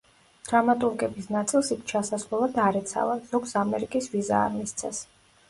დრამატურგების ნაწილს იქ ჩასასვლელად არ ეცალა, ზოგს ამერიკის ვიზა არ მისცეს.